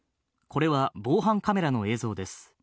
これは防犯カメラの映像です。